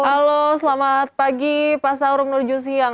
halo selamat pagi pak saur menurut jusyang